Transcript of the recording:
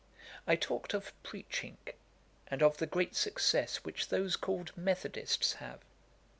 ] I talked of preaching, and of the great success which those called Methodists have.